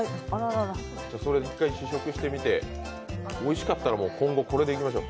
じゃ、それ一回試食してみておいしかったらもう今後、これでいきましょう。